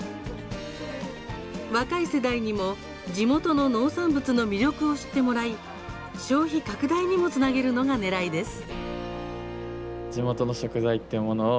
若い世代にも、地元の農産物の魅力を知ってもらい消費拡大にもつなげるのがねらいです。